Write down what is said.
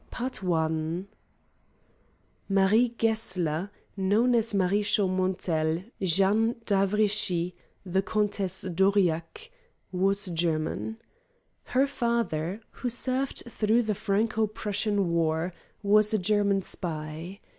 "SOMEWHERE IN FRANCE" Marie Gessler, known as Marie Chaumontel, Jeanne d'Avrechy, the Countess d'Aurillac, was German. Her father, who served through the Franco Prussian War, was a German spy.